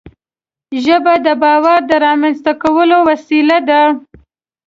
ژبه د باور د رامنځته کولو وسیله ده